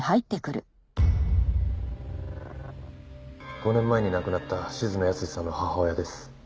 「５年前に亡くなった静野保志さんの母親です」